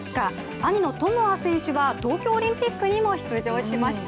兄の智亜選手は東京オリンピックにも出場しました。